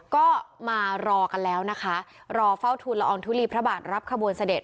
ก็มารอกันแล้วนะคะรอเฝ้าทุนละอองทุลีพระบาทรับขบวนเสด็จ